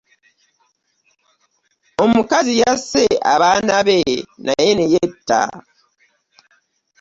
Omukazi yasse abaana be naye ne yetta .